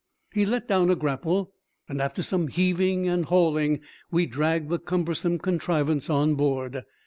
He let down a grapple, and after some heaving and hauling we dragged the cumbersome contrivance on board.